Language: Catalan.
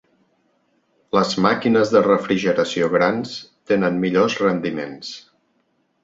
Les màquines de refrigeració grans tenen millors rendiments.